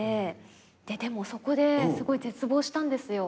でもそこですごい絶望したんですよ。